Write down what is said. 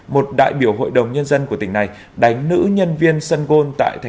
một đại biểu hội đồng nhân dân của tỉnh này đánh nữ nhân viên sân gôn tại tp đà nẵng gây xuân sao dư luận